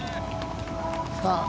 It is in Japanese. さあ。